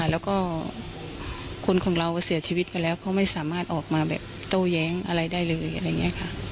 แล้วก็คนของเราเสี่ยชีวิตก่อนแล้วเขาไม่สามารถออกมาเต้าแย้งอะไรได้เลย